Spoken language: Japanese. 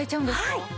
はい！